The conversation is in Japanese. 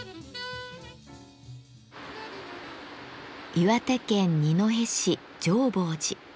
岩手県二戸市浄法寺。